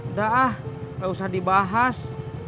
udah ah gak usah dibahas